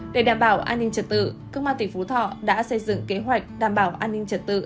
để đảm bảo an ninh trật tự công an tỉnh phú thọ đã xây dựng kế hoạch đảm bảo an ninh trật tự